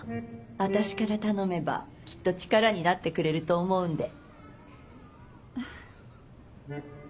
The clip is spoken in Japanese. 私から頼めばきっと力になってくれると思うんで。